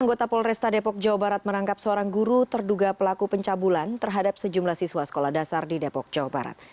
anggota polresta depok jawa barat menangkap seorang guru terduga pelaku pencabulan terhadap sejumlah siswa sekolah dasar di depok jawa barat